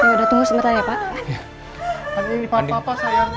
saya udah tunggu sebentar ya pak